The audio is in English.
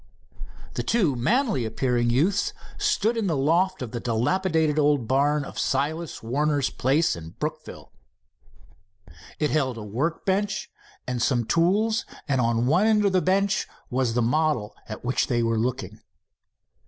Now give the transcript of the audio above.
The two, manly appearing youths stood in the loft of the dilapidated old barn of Silas Warner's place in Brookville. It held a work bench and some tools, and on one end of the bench was the model at which they were looking.